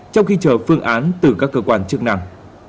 trong khi chờ phương án từ các cơ quan chức năng